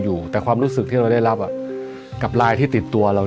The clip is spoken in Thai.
อยู่แต่ความรู้สึกที่เราได้รับกับไลน์ที่ติดตัวเรา